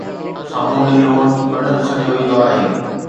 سامونڊي لوڻ پڻ سڏيو ويندو آهي